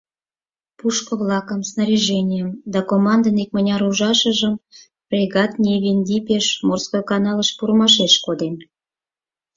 Пушко-влакым, снаряженийым да командын икмыняр ужашыжым фрегат Ньевендипеш, Морской каналыш пурымашеш коден.